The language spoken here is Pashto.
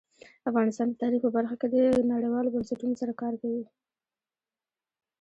افغانستان د تاریخ په برخه کې نړیوالو بنسټونو سره کار کوي.